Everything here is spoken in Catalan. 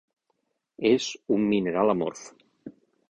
És un mineral amorf.